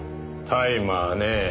タイマーねえ。